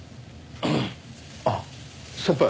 あっ先輩。